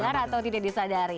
sadar atau tidak disadari